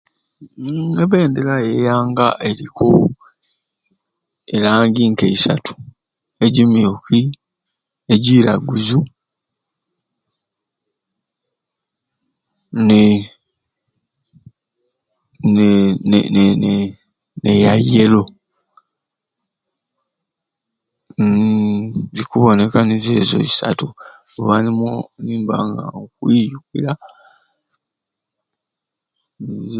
Uumm ebbendera ya ianga eriku erangi nka isatu egimyuki egiiiraguzu ne ne nenene ne ya yelo uumm kikuboneka nizo ezo eisatu kubanga nimwo nimba nga nkwizukira zi.